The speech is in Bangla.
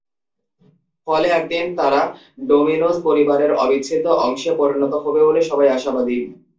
ফলে একদিন তারা ডোমিনোস পরিবারের অবিচ্ছেদ্য অংশে পরিণত হবে বলে সবাই আশাবাদী।